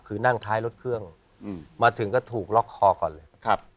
คือนั่งท้ายรถเครื่องมาถึงก็ถูกล็อกคอก่อนเลยครับ